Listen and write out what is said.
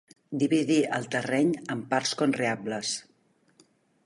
Dividir el terreny en parts conreables.